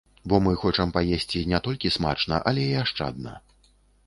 Бо мы хочам паесці не толькі смачна, але і ашчадна.